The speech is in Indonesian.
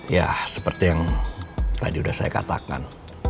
ya seperti yang tadi sudah saya katakan